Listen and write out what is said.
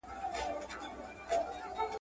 خپل مال تر سترگو لاندي ښه دئ.